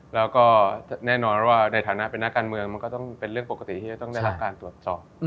แล้วก็แน่นอนว่าในฐานะเป็นนักการเมืองมันก็ต้องเป็นเรื่องปกติที่จะต้องได้รับการตรวจสอบ